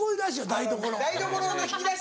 台所の引き出し。